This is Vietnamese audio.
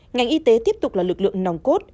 ngành y tế tiếp tục là lực lượng nòng cốt